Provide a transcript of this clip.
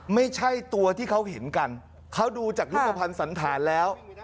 ไม่ใช่ตัวที่เขาเห็นกันเขาดูจากรูปภัณฑ์สันธารแล้ว